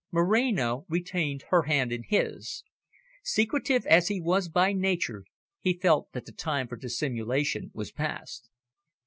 Moreno retained her hand in his. Secretive as he was by nature, he felt that the time for dissimulation was past.